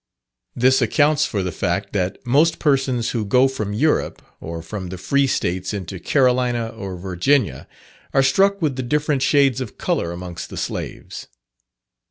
This accounts for the fact, that most persons who go from Europe, or from the Free States, into Carolina or Virginia, are struck with the different shades of colour amongst the slaves.